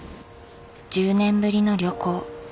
１０年ぶりの旅行。